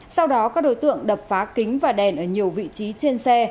sau đó các đối tượng đập phá kính và đèn ở nhiều vị trí trên xe